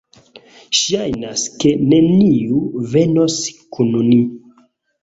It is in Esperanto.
Ŝajnas, ke neniu venos kun ni